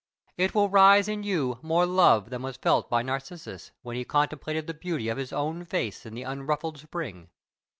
It will raise in you more love than was felt by Narcissus, when he contemplated the beauty of his own face in the unruffled spring.